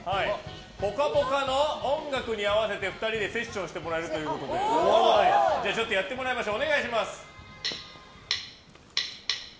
「ぽかぽか」の音楽に合わせて２人でセッションしてくれるということでちょっとやってもらいましょう。